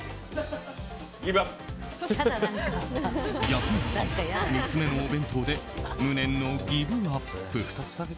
安村さん、３つ目のお弁当で無念のギブアップ。